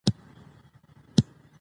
ښه اړیکې موږ خوښ او سالم ساتي.